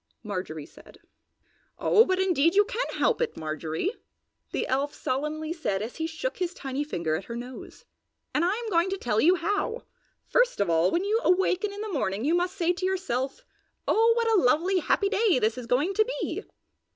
Marjorie said. "Oh, but indeed you can help it, Marjorie!" the elf solemnly said as he shook his tiny finger at her nose. "And I am going to tell you how. First of all, when you awaken in the morning you must say to yourself, 'Oh what a lovely, happy day this is going to be!'